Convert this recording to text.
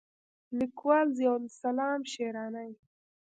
لیکوال: ضیاءالاسلام شېراني